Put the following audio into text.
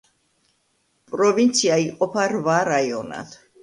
პროვინცია იყოფა რვა რაიონად.